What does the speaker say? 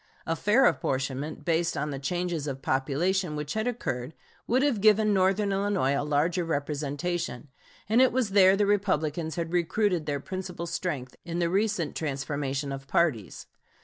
A fair apportionment, based on the changes of population which had occurred, would have given northern Illinois a larger representation; and it was there the Republicans had recruited their principal strength in the recent transformation of parties.